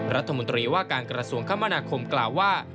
รัฐมนตรีว่าการกระทรวงคมนาคมกล่าวว่า